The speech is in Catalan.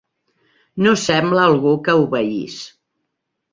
No sembla algú que obeís.